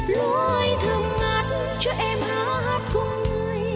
lúa ơi thơm ngát cho em hát cùng ngươi